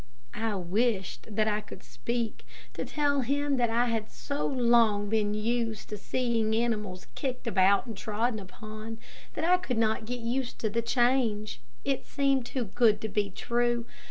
I wished that I could speak to tell him that I had so long been used to seeing animals kicked about and trodden upon, that I could not get used to the change. It seemed too good to be true.